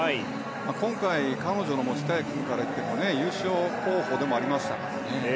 今回、彼女の持ちタイムからいっても優勝候補でもありましたからね。